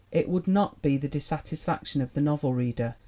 It would not be the dissatisfaction of the novel reader.